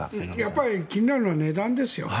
やっぱり気になるのは値段ですよ。